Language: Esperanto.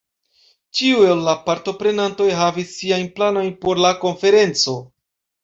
Ĉiu el la partoprenantoj havis siajn planojn por la konferenco.